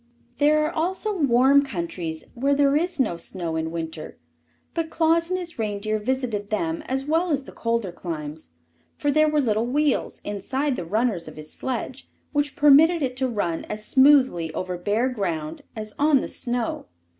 There are also warm countries where there is no snow in winter, but Claus and his reindeer visited them as well as the colder climes, for there were little wheels inside the runners of his sledge which permitted it to run as smoothly over bare ground as on the snow.